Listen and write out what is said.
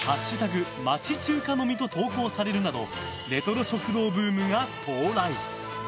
町中華飲み」と投稿されるなどレトロ食堂ブームが到来！